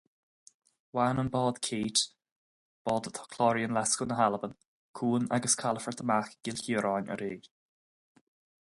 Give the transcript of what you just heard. Bhain an bád Kate, bád atá cláraithe i nGlaschú na hAlban, cuan agus calafort amach i gCill Chiaráin aréir.